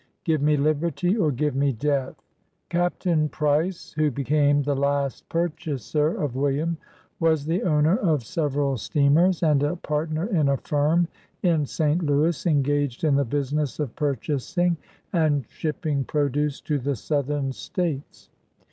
Give me liberty or give me death !" Capt. Price, who became the last purchaser of William, was the owner of several steamers, and a partner in a firm in St. Louis, engaged in the business of purchasing and shipping produce to the Southern States.